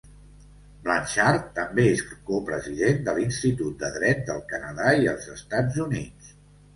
Blanchard també és copresident de l'Institut de Dret del Canadà i els Estats Units.